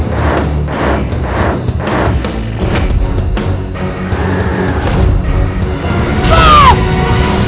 saya mencari inputmu